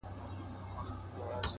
گرانه شاعره صدقه دي سمه.